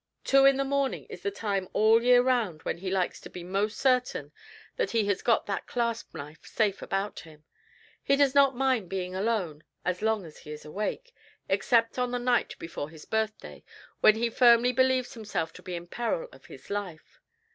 Two in the morning is the time all the year round when he likes to be most certain that he has got that clasp knife safe about him. He does not mind being alone as long as he is awake, except on the night before his birthday, when he firmly believes himself to be in peril of his life.